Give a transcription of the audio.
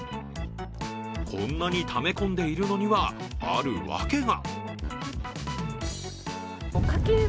こんなにため込んでいるのにはある訳が。